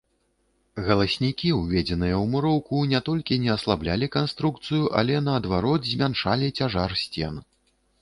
Галаснікі, уведзеныя ў муроўку, не толькі не аслаблялі канструкцыю, але наадварот, змяншалі цяжар сцен.